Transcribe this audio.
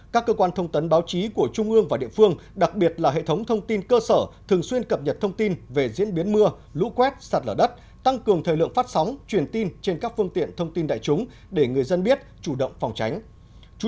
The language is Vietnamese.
các cơ quan thông tấn báo chí của trung ương và địa phương đặc biệt là hệ thống thông tin cơ sở thường xuyên cập nhật thông tin về diễn biến mưa lũ quét sạt lở đất tăng cường thời lượng phát sóng truyền tin trên các phương tiện thông tin đại chúng để người dân biết chủ động phòng tránh